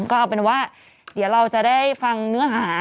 ก็เอาเป็นว่าเดี๋ยวเราจะได้ฟังเนื้อหา